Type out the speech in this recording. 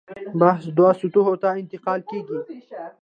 بحث دوو سطحو ته انتقال کېږي.